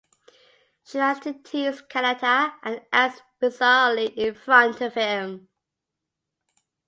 She likes to tease Kanata, and acts bizarrely in front of him.